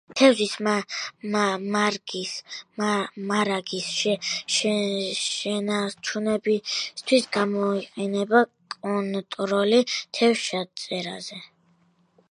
თევზის მარაგის შენარჩუნებისთვის გამოიყენება კონტროლი თევზჭერაზე.